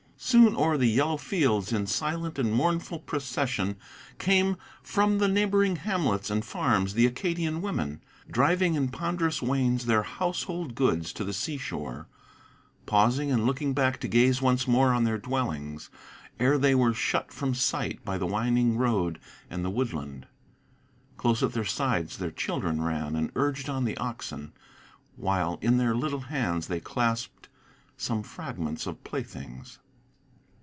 Soon o'er the yellow fields, in silent and mournful procession, Came from the neighboring hamlets and farms the Acadian women, Driving in ponderous wains their household goods to the sea shore, Pausing and looking back to gaze once more on their dwellings, Ere they were shut from sight by the winding road and the woodland. Close at their sides their children ran, and urged on the oxen, While in their little hands they clasped some fragments of playthings.